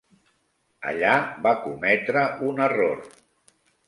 Allà va cometre un error.